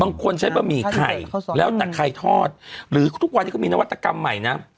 บางคนใช้บะหมี่ไข่แล้วแต่ไข่ทอดหรือทุกวันนี้ก็มีนวัตกรรมใหม่นะ